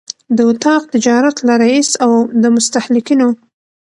د اطاق تجارت له رئیس او د مستهلکینو